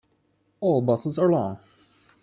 All buses are long.